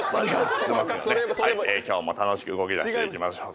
「今日も楽しく動きだしていきましょう。